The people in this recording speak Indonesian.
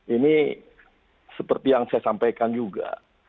ini seperti yang saya sampaikan juga